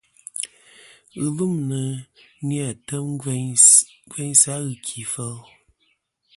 Ghɨlûmnɨ ni-a tem gveynsɨ a ghɨkì fel.